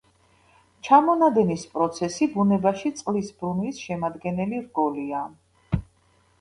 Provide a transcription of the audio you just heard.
ჩამონადენის პროცესი ბუნებაში წყლის ბრუნვის შემადგენელი რგოლია.